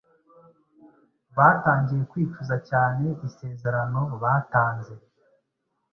Batangiye kwicuza cyane isezerano batanze